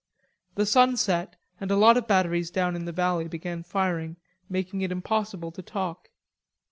The sun set, and a lot of batteries down in the valley began firing, making it impossible to talk.